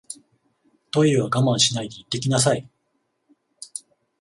トイレは我慢しないで行ってきなさい